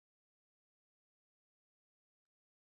远期汇票有三种。